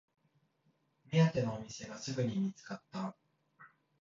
目当てのお店がすぐに見つかった